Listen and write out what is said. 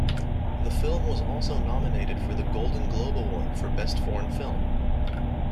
The film was also nominated for the Golden Globe Award for Best Foreign Film.